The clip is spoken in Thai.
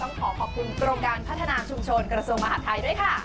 ขอขอบคุณกรมการพัฒนาชุมชนกระทรวงมหาดไทยด้วยค่ะ